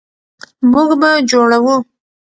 موږ به جوړوو.